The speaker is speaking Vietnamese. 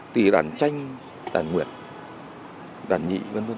tùy đàn tranh đàn nguyệt đàn nhị v v